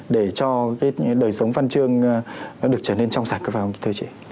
để cho cái đời sống văn chương nó được trở nên trong sạch có phải không thưa chị